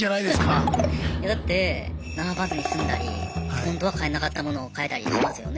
いやだって並ばずに済んだり本当は買えなかった物を買えたりしますよね。